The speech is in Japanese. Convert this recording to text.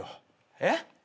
えっ？